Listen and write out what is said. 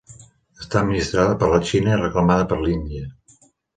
Està administrada per la Xina i reclamada per l'Índia.